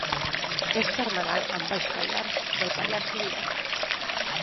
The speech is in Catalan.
És termenal amb Baix Pallars, del Pallars Sobirà.